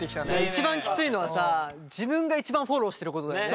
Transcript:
一番きついのはさ自分が一番フォローしてることだよね。